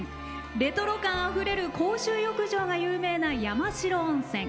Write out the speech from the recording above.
レトロ感あふれる公衆浴場が人気の山代温泉。